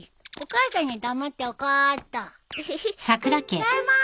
ただいま。